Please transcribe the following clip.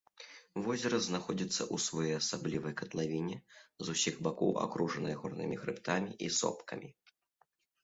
Возера знаходзіцца ў своеасаблівай катлавіне, з усіх бакоў акружанай горнымі хрыбтамі і сопкамі.